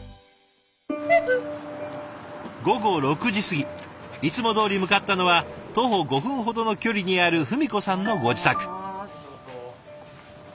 午後６時過ぎいつもどおり向かったのは徒歩５分ほどの距離にある文子さんのご自宅。